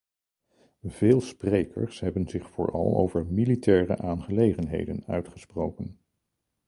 Veel sprekers hebben zich vooral over militaire aangelegenheden uitgesproken.